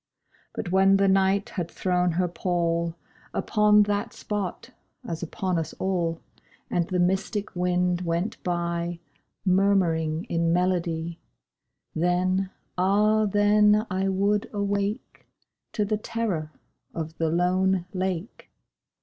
But when the Night had thrown her pall Upon that spot, as upon all, And the mystic wind went by Murmuring in melody— Then—ah then I would awake To the terror of the lone lake.